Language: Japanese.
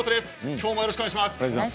きょうもよろしくお願いします。